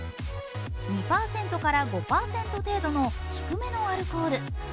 ２％から５％程度の低めのアルコール。